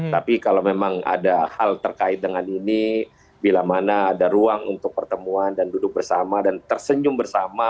tapi kalau memang ada hal terkait dengan ini bila mana ada ruang untuk pertemuan dan duduk bersama dan tersenyum bersama